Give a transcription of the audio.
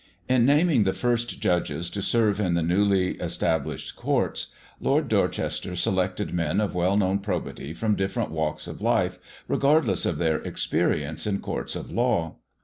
In naming the first judges to serve in the newly established courts, Lord Dorchester selected men of well known probity from different walks of life, regardless of their experience in courts of law.